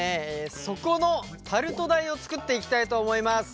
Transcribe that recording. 底のタルト台を作っていきたいと思います。